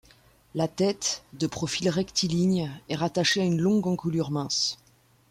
La tête, de profil rectiligne, est rattachée à une longue encolure mince.